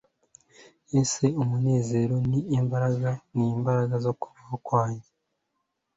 ese umunezero n'imbaraga nimbaraga zo kubaho kwanjye